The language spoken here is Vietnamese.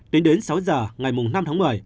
tính đến sáu giờ ngày năm tháng một mươi